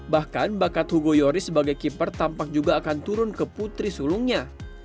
bahkan bakat hugo yoris sebagai keeper tampak juga akan turun ke putri sulungnya